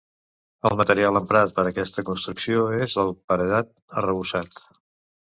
El material emprat per aquesta construcció és el paredat arrebossat.